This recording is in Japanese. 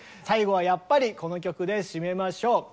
最後はやっぱりこの曲で締めましょう。